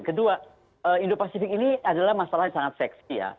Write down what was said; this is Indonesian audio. kedua indo pasifik ini adalah masalah yang sangat seksi ya